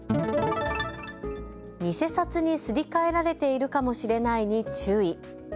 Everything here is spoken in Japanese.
偽札にすり替えられているかもしれないに注意。